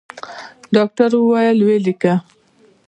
ډاکتر وويل ويې ليکه.